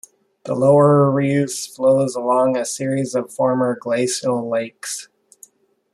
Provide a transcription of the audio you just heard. The lower Reuss flows along a series of former glacial lakes.